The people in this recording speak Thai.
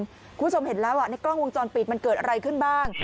คุณผู้ชมเห็นแล้วในกล้องวงจรปิดมันเกิดอะไรขึ้นบ้าง